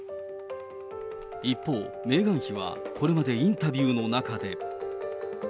一方、メーガン妃はこれまでインタビューの中で。